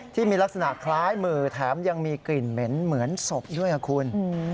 ที่มีลักษณะคล้ายมือแถมยังมีกลิ่นเหม็นเหมือนศพด้วยนะคุณ